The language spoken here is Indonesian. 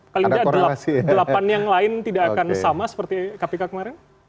paling tidak delapan yang lain tidak akan sama seperti kpk kemarin